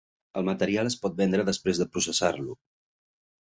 El material es pot vendre després de processar-lo.